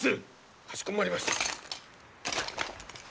かしこまりました。